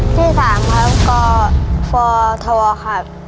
ที่สามครับกฟธครับ